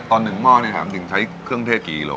ตอนหนึ่งหม้อนี่ค่ะมันถึงใช้เครื่องเทศกี่กิโล